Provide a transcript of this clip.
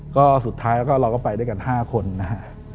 ก็สุดท้ายแล้วก็เราก็ไปด้วยกัน๕คนนะฮะ